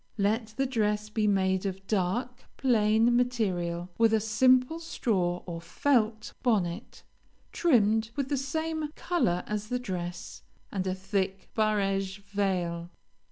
Let the dress be made of dark, plain material, with a simple straw or felt bonnet, trimmed with the same color as the dress, and a thick barege veil.